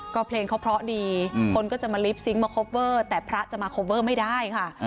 ก็เพลงเขาเพราะดีคนก็จะมาลิปซิงค์มาคอปเวอร์แต่พระจะมาโคเวอร์ไม่ได้ค่ะ